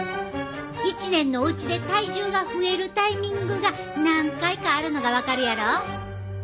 １年のうちで体重が増えるタイミングが何回かあるのが分かるやろ？